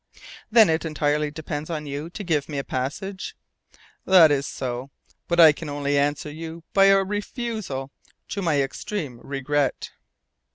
"Then it entirely depends on you to give me a passage?" "That is so, but I can only answer you by a refusal to my extreme regret."